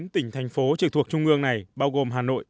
chín tỉnh thành phố trực thuộc trung ương này bao gồm hà nội